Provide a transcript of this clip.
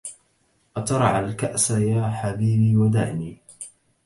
أترع الكأس يا حبيبي ودعني